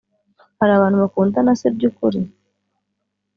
Hari Abantu bakundana se byukuri